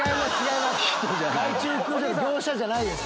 業者じゃないです！